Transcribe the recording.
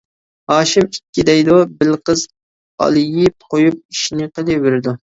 ھاشىم: ئىككى دەيدۇ، بېلىقىز ئالىيىپ قويۇپ ئىشىنى قىلىۋېرىدۇ.